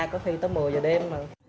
có khi tới một mươi giờ đêm